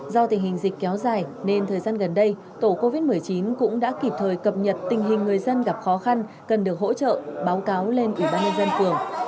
do tình hình dịch kéo dài nên thời gian gần đây tổ covid một mươi chín cũng đã kịp thời cập nhật tình hình người dân gặp khó khăn cần được hỗ trợ báo cáo lên ủy ban nhân dân phường